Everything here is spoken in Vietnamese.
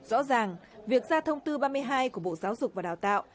rõ ràng việc ra thông tư ba mươi hai của bộ giáo dục và đào tạo